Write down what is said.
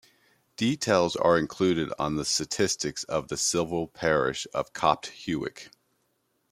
Details are included on the statistics of the civil parish of Copt Hewick.